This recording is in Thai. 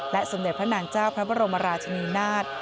สมเด็จพระนางเจ้าพระบรมราชนีนาฏ